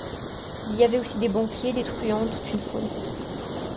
Il y avait aussi des banquiers, des truands, toute une faune.